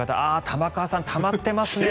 玉川さん、たまってますね